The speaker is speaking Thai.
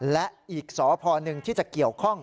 และอีกสพหนึ่งที่จะเกี่ยวข้อง